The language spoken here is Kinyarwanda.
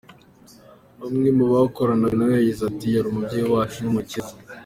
Umwe mubakoranaga nawe yagize ati “Yari umubyeyi wacu n’umukiza”.